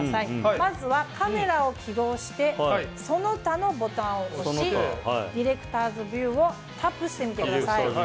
まずはカメラを起動して「その他」のボタンを押しディレクターズビューをタップしてみてください。